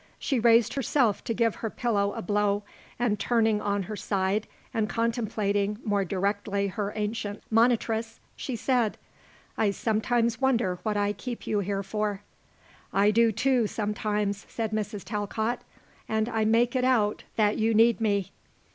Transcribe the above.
She raised herself to give her pillow a blow and turning on her side and contemplating more directly her ancient monitress she said, "I sometimes wonder what I keep you here for." "I do, too, sometimes," said Mrs. Talcott, "and I make it out that you need me."